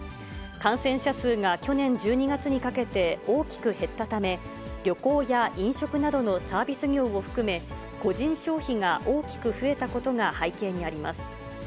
感染者数が去年１２月にかけて大きく減ったため、旅行や飲食などのサービス業を含め、個人消費が大きく増えたことが背景にあります。